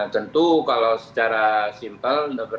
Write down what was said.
tentu kalau secara simpel